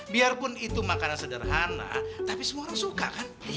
biarpun itu makanan sederhana tapi semua orang suka kan